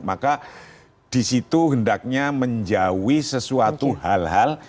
maka disitu hendaknya menjauhi sesuatu hal hal